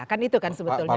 kan itu kan sebetulnya wacana